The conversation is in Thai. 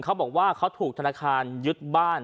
เขาบอกว่าเขาถูกธนาคารยึดบ้าน